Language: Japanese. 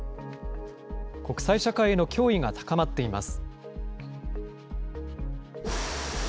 国際社会への脅威が高まっています。